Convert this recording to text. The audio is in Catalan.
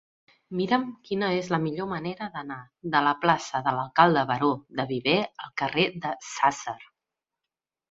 Mira'm quina és la millor manera d'anar de la plaça de l'Alcalde Baró de Viver al carrer de Sàsser.